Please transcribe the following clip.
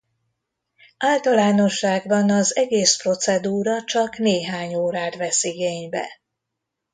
Általánosságban az egész procedúra csak néhány órát vesz igénybe.